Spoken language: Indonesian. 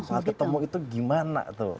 saat ketemu itu gimana tuh